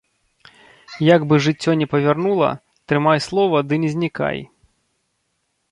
Як бы жыццё не павярнула, трымай слова ды не знікай!